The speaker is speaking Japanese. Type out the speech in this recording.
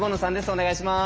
お願いします。